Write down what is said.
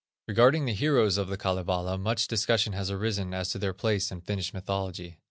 Regarding the heroes of the Kalevala, much discussion has arisen as to their place in Finnish mythology.